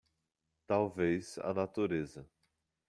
Talvez a natureza